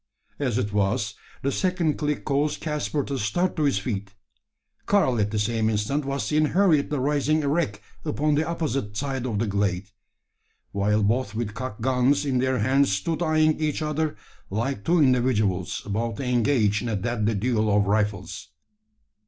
As it was, the second click caused Caspar to start to his feet. Karl at the same instant was seen hurriedly rising erect upon the opposite side of the glade, while both with cocked guns in their hands stood eyeing each other, like two individuals about to engage in a deadly duel of rifles!